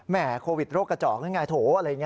แม่โควิดโรคกระจอกโถ